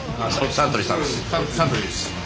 サントリーです。